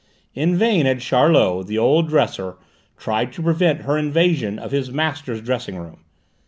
In vain had Charlot, the old dresser, tried to prevent her invasion of his master's dressing room.